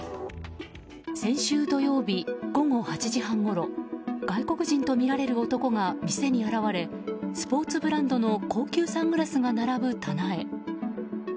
先週土曜日、午後８時半ごろ外国人とみられる男が店に現れスポーツブランドの高級サングラスが並ぶ棚へ。